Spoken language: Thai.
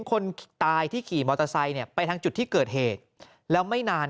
คนตายที่ขี่มอเตอร์ไซค์เนี่ยไปทางจุดที่เกิดเหตุแล้วไม่นาน